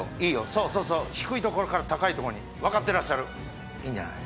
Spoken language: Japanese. そうそうそう低いところから高いとこにわかってらっしゃるいいんじゃない？